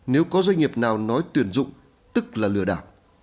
nếu có doanh nghiệp nào nói tuyển dụng tức là lừa đảo